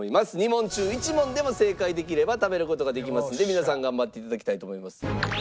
２問中１問でも正解できれば食べる事ができますので皆さん頑張って頂きたいと思います。